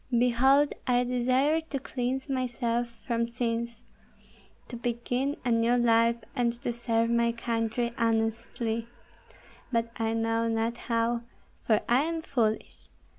Behold I desire to cleanse myself from sins, to begin a new life, and to serve my country honestly; but I know not how, for I am foolish.